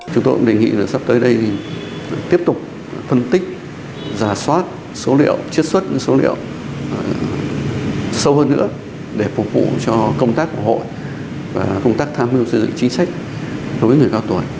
chúng tôi cũng đề nghị là sắp tới đây thì tiếp tục phân tích giả soát số liệu chiết xuất số liệu sâu hơn nữa để phục vụ cho công tác của hội và công tác tham mưu xây dựng chính sách đối với người cao tuổi